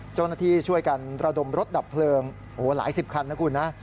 เจ้าหน้าที่ช่วยกันระดมรถดับเพลิงโอ้โหหลายสิบคันนะคุณนะ